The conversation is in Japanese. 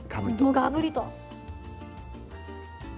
もうがぶりと。